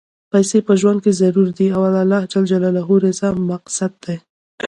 پیسی په ژوند کی ضرورت دی، او د اللهﷻ رضا مقصد دی.